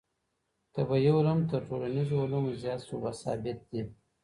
طبیعي علوم تر ټولنیزو علومو زیات ثابت دي.